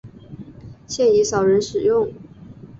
现已少人使用。